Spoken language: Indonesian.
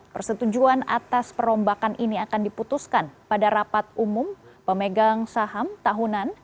persetujuan atas perombakan ini akan diputuskan pada rapat umum pemegang saham tahunan